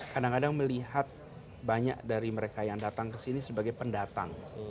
kadang kadang melihat banyak dari mereka yang datang ke sini sebagai pendatang